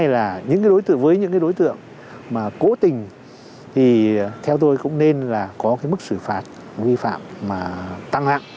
và với những cái đối tượng mà cố tình thì theo tôi cũng nên là có cái mức xử phạt vi phạm mà tăng lặng